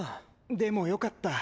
でもよかった。